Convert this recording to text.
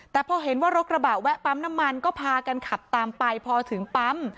แต่พอเห็นว่ารถกระบะแวะปั๊มน้ำมันก็พากันขับตามไปพอถึงปั๊ม